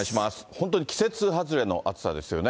本当に季節外れの暑さですよね。